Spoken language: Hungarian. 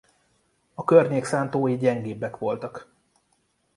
A környék szántói gyengébbek voltak.